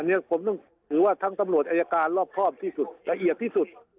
อันนี้ผมต้องถือว่าทั้งตำรวจอายการรอบครอบที่สุดละเอียดที่สุด